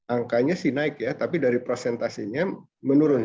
angkanya sih naik ya tapi dari prosentasinya menurun